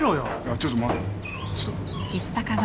ちょっと待てよ蔦。